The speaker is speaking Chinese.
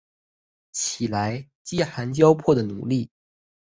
起来，饥寒交迫的奴隶！